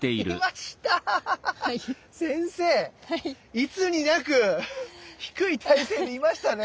いつになく低い体勢でいましたね。